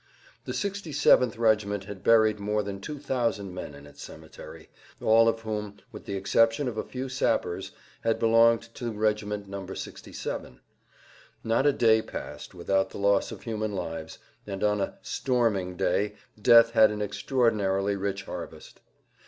The 67th regiment had buried more than 2000 men in its cemetery, all of whom, with the exception of a few sappers, had belonged to regiment No. 67. Not a day passed without the loss of human lives, and on a "storming day" death had an extraordinarily rich harvest.